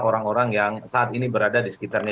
orang orang yang saat ini berada di sekitarnya